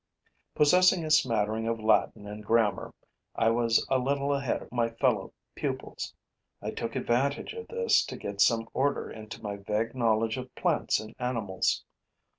Possessing a smattering of Latin and grammar, I was a little ahead of my fellow pupils. I took advantage of this to get some order into my vague knowledge of plants and animals.